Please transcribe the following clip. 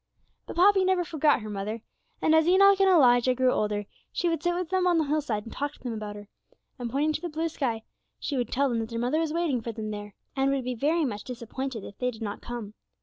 But Poppy never forgot her mother. And as Enoch and Elijah grew older, she would sit with them on the hillside and talk to them about her, and pointing to the blue sky she would tell them that their mother was waiting for them there, and would be very much disappointed if they did not come.